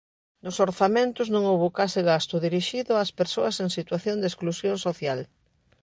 Nos orzamentos non houbo case gasto dirixido ás persoas en situación de exclusión social.